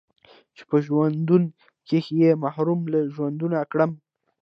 چې په ژوندون کښې يې محرومه له ژوندونه کړمه